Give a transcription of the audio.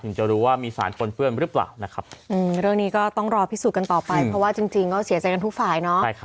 จะรู้ว่ามีสารปนเปื้อนหรือเปล่านะครับเรื่องนี้ก็ต้องรอพิสูจน์กันต่อไปเพราะว่าจริงก็เสียใจกันทุกฝ่ายเนาะ